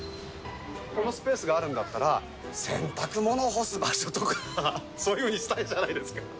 このスペースがあるんだったら、洗濯物干す場所とか、そういうふうにしたいじゃないですか。